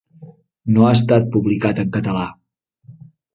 No ha estat publicat en català.